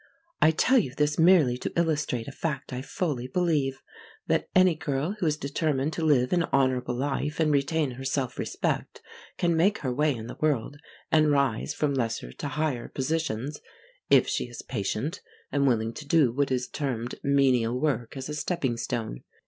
I tell you this merely to illustrate a fact I fully believe, that any girl who is determined to live an honourable life and retain her self respect can make her way in the world and rise from lesser to higher positions, if she is patient and willing to do what is termed menial work as a stepping stone.